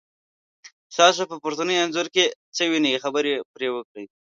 تاسو په پورتني انځور کې څه وینی، خبرې پرې وکړئ؟